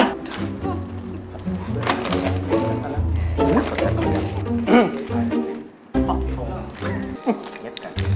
แม่